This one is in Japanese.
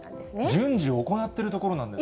順次行っているところなんですね。